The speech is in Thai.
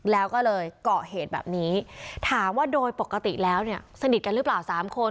แล้วก็เลยเกาะเหตุแบบนี้ถามว่าโดยปกติแล้วเนี่ยสนิทกันหรือเปล่า๓คน